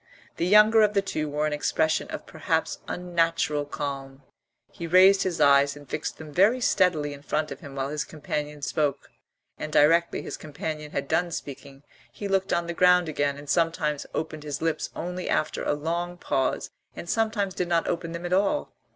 The younger of the two wore an expression of perhaps unnatural calm; he raised his eyes and fixed them very steadily in front of him while his companion spoke, and directly his companion had done speaking he looked on the ground again and sometimes opened his lips only after a long pause and sometimes did not open them at all.